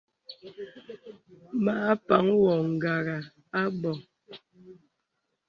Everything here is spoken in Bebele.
Mə a paŋ wɔ ngàrà à bɔ̄.